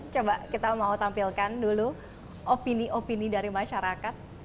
coba kita mau tampilkan dulu opini opini dari masyarakat